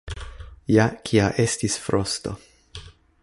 Ja kia estis frosto.